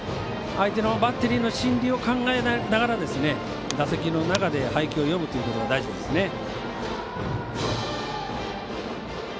相手のバッテリーの心理を考えながら打席の中で配球を読むということが大事ですね。